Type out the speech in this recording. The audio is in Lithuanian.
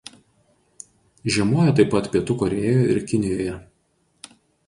Žiemoja taip pat Pietų Korėjoje ir Kinijoje.